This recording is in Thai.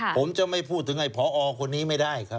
ผมจะไม่พูดถึงไอ้พอคนนี้ไม่ได้ครับ